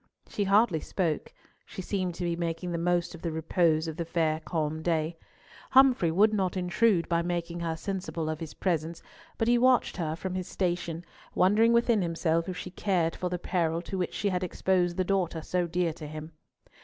She hardly spoke; she seemed to be making the most of the repose of the fair calm day. Humfrey would not intrude by making her sensible of his presence, but he watched her from his station, wondering within himself if she cared for the peril to which she had exposed the daughter so dear to him.